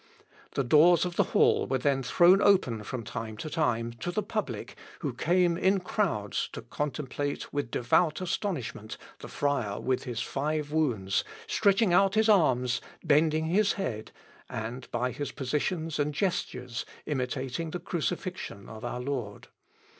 The doors of the hall were then thrown open from time to time to the public who came in crowds to contemplate with devout astonishment the friar with his five wounds, stretching out his arms, bending his head, and by his positions and gestures imitating the crucifixion of our Lord.